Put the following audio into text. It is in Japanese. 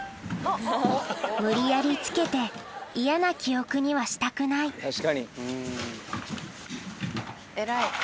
無理やりつけて嫌な記憶にはしたくない偉い。